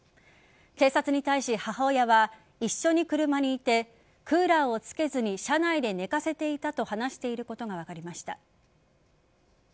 警察に対し、母親は一緒に車にいてクーラーをつけずに車内で寝かせていたと話していることが分かりました。